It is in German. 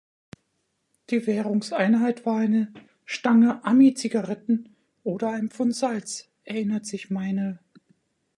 Die Währungseinheit war eine Stange Ami-Zigaretten oder ein Pfund Salz“, erinnert sich Meinel.